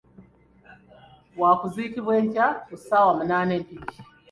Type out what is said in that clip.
Wakuziikibwa enkya ku ssaawa munaana e Mpigi.